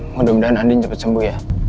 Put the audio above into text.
mudah mudahan andin cepat sembuh ya